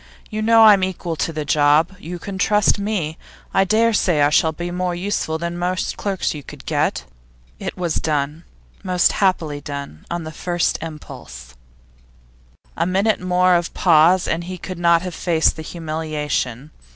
You know that I'm equal to the job; you can trust me; and I dare say I shall be more useful than most clerks you could get.' It was done, most happily done, on the first impulse. A minute more of pause, and he could not have faced the humiliation.